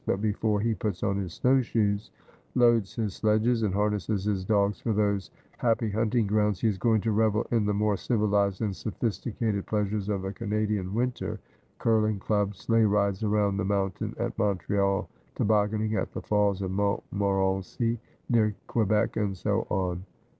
But before he puts on his snow shoes, loads his sledges, and harnesses his dogs for those happy hunting grounds, he is going to revel in the more civilised and sophisticated pleasures of a Canadian winter, curling clubs, sleigh rides around the mountain at Montreal, toboggining at the Falls of Montmorenci, near Quebec, and so on.